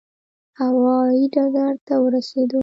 هوا یي ډګر ته ورسېدو.